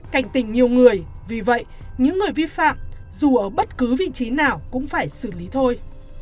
cảnh tình nhiều người vì vậy những người vi phạm dù ở bất cứ vị trí nào cũng phải xử lý thôi